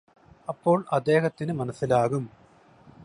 അപ്പോൾ അദ്ദേഹത്തിനു മനസ്സിലാകും